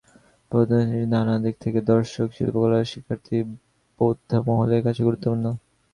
প্রদর্শনীটি নানা দিক থেকে দর্শক, শিল্পকলার শিক্ষার্থী, বোদ্ধা মহলের কাছে গুরুত্বপূর্ণ।